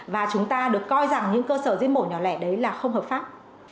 và chúng ta được coi rằng những cơ sở giết mổ nhỏ lẻ đấy là không hợp pháp